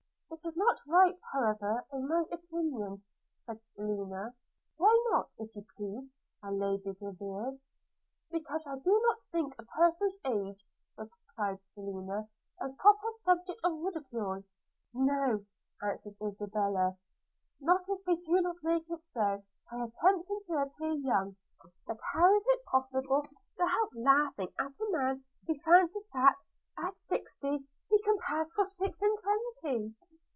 'It is not right, however, in my opinion,' said Selina. 'Why not, if you please, my Lady Graveairs?' 'Because I do not think a person's age,' replied Selina, 'a proper subject of ridicule.' 'No,' answered Isabella – 'not if they do not make it so, by attempting to appear young; but how is it possible to help laughing at a man who fancies that, at sixty, he can pass for six and twenty?'